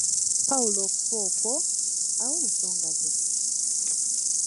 Pawulo okufa okwo , awe ensonga ze